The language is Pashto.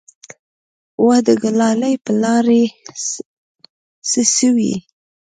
وه د ګلالي پلاره څه سوې.